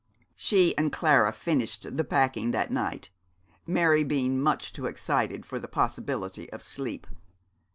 She and Clara finished the packing that night, Mary being much too excited for the possibility of sleep.